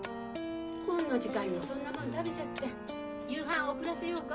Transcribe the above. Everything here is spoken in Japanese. こんな時間にそんなもん食べちゃって夕飯遅らせようか？